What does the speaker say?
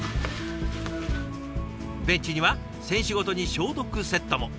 ベンチには選手ごとに消毒セットも。